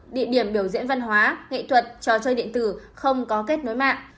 địa điểm biểu diễn văn hóa nghệ thuật trò chơi điện tử không có kết nối mạng